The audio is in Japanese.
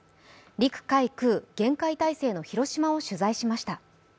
陸・海・空、厳戒態勢の広島を取材しました。